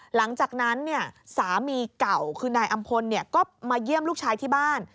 หลังจากนั้นสามีเก่าคือนายอำพลก็มาเยี่ยมลูกชายที่บ้าน